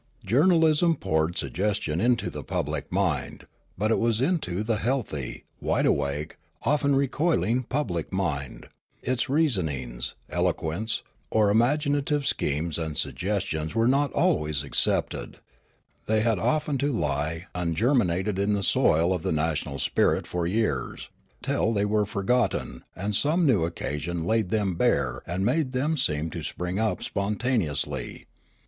Journalism poured sug gestion into the public mind ; but it was into the healthy, wide awake, often recoiling public mind ; its reasonings, eloquence, or imaginative schemes and sug gestions were not always accepted ; thej^ had often to lie ungerminated in the soil of the national spirit for years, till they were forgotten and some new occasion laid them bare and made them seem to spring up spontaneously.